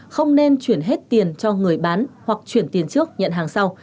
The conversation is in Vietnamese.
không nên chuyển hết tiền cho người bán hoặc chuyển tiền trước nhận hàng sau